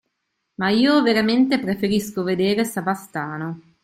Ma io veramente preferisco vedere Savastano.